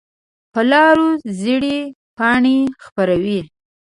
په لارو زېړې پاڼې خپرې وي